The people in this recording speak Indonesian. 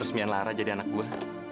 resmi yang lara jadi anak gue